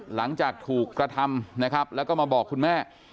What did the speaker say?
หลังจากถูกกระทำนะครับแล้วก็มาบอกคุณแม่